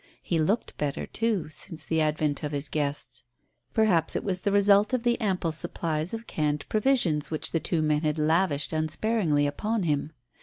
He looked better, too, since the advent of his guests. Perhaps it was the result of the ample supplies of canned provisions which the two men had lavished unsparingly upon him.